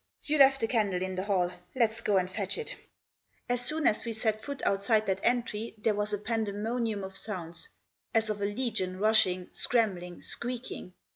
"You left the candle in the hall; let's go and fetch it" As soon as we set foot outside that entry there was a pandemonium of sounds, as of a legion rushing, scrambling, squeaking.